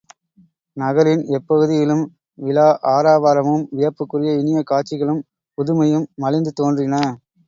நகரின் எப்பகுதியிலும் விழா ஆரவாரமும் வியப்புக்குரிய இனிய காட்சிகளும் புதுமையும் மலிந்து தோன்றின.